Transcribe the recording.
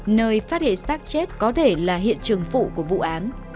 nơi phát hiện sát chết có thể là hiện trường phụ của vụ án